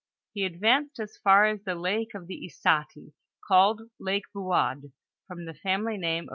He advanced as far as the lake of the Issati, called Lake Buade, from the family name of M.